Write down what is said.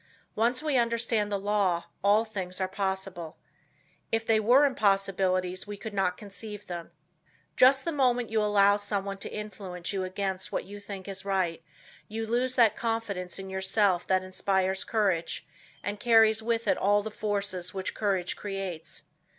Once we understand the law, all things are possible. If they were impossibilities we could not conceive them. Just the moment you allow someone to influence you against what you think is right, you lose that confidence in yourself that inspires courage and carries with it all the forces which courage creates.